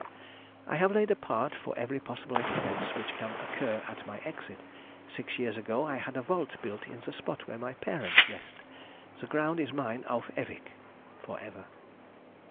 ... I have laid apart for every possible expense which can occur at my exit. Six years ago I had a vault built in the spot where my parents rest. The ground is mine auf ewig (for ever).